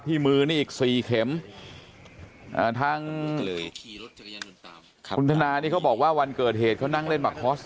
มือนี่อีก๔เข็มทั้งคุณธนานี่เขาบอกว่าวันเกิดเหตุเขานั่งเล่นมาคอส